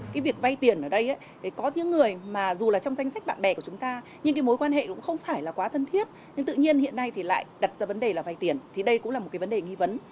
cái việc vay tiền ở đây có những người mà dù là trong danh sách bạn bè của chúng ta nhưng cái mối quan hệ cũng không phải là quá thân thiết nhưng tự nhiên hiện nay thì lại đặt ra vấn đề là vay tiền thì đây cũng là một cái vấn đề nghi vấn